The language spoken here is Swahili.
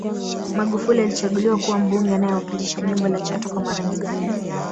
Magufuli alichaguliwa kuwa Mbunge anayewakilisha jimbo la Chato kwa mara nyingine